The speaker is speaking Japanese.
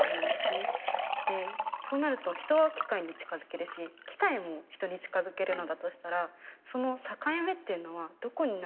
そうなると人は機械に近づけるし機械も人に近づけるのだとしたらその境目っていうのはどこになると？